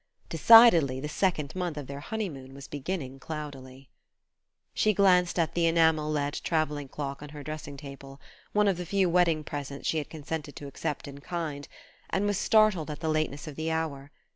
Decidedly, the second month of their honey moon was beginning cloudily.... She glanced at the enamel led travelling clock on her dressing table one of the few wedding presents she had consented to accept in kind and was startled at the lateness of the hour.